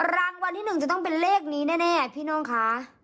รางวัลที่๑จะต้องเป็นเลขนี้แน่พี่น้องคะ